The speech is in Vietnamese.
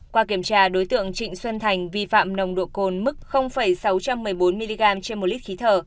qua kiểm tra đối tượng trịnh xuân thành vi phạm nồng độ cồn mức sáu trăm một mươi bốn mg trên một lít khí thở